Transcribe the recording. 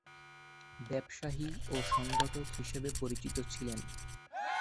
ব্যবসায়ী ও সংগঠক হিসেবে পরিচিত ছিলেন।